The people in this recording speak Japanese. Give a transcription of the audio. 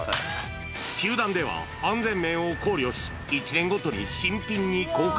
球団では、安全面を考慮し、１年ごとに新品に交換。